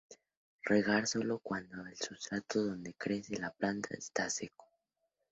Regar solo cuando el sustrato donde crece la planta está seco.